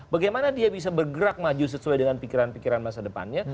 bagaimana dia bisa bergerak maju sesuai dengan pikiran pikiran masa depannya